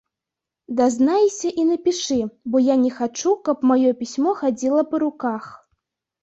Дазнайся і напішы, бо я не хачу, каб маё пісьмо хадзіла па руках.